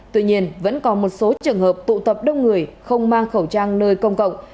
tuy nhiên vẫn còn một số trường hợp tụ tập đông người không mang khẩu trang nơi công cộng